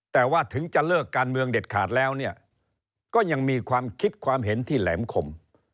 แต่ว่าถึงจะเลิกการเมืองเด็ดขาดแล้วเนี่ยก็ยังมีความคิดความเห็นที่แหลมคม